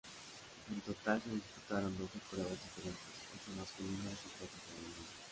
En total se disputaron doce pruebas diferentes, ocho masculinas y cuatro femeninas.